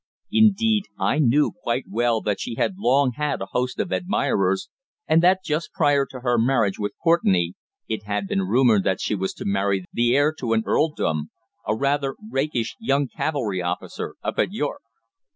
Indeed, I knew quite well that she had long had a host of admirers, and that just prior to her marriage with Courtenay it had been rumoured that she was to marry the heir to an earldom, a rather rakish young cavalry officer up at York.